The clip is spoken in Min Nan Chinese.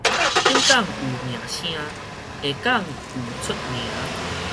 頂港有名聲，下港有出名